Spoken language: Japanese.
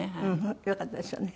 よかったですよね。